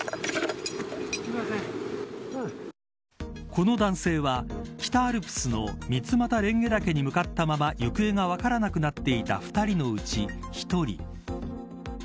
この男性は、北アルプスの三俣蓮華岳に向かったまま行方が分からなくなっていた２人のうち１人。